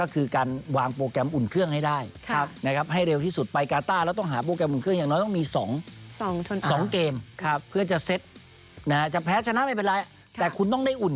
คือต้องขอเขาเรียกว่าขอข้อมูลในระยะเวลาอันสั้น